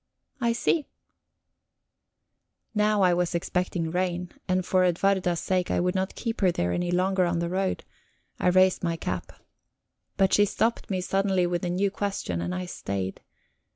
"I see." Now I was expecting rain, and for Edwarda's sake I would not keep her there any longer on the road; I raised my cap. But she stopped me suddenly with a new question, and I stayed.